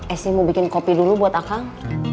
esi mau bikin kopi dulu buat akang